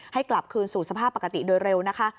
ให้กลับคืนสู่สภาพปกติโดยเร็วนะคะ